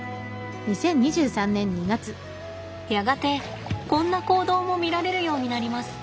やがてこんな行動も見られるようになります。